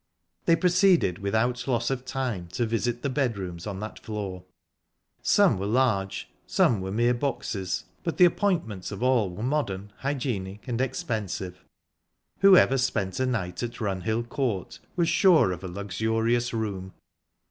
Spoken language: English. They proceeded without loss of time to visit the bedrooms on that floor. Some were large, some were mere boxes, but the appointments of all were modern, hygienic, and expensive. Whoever spent a night at Runhill Court was sure of a luxurious room.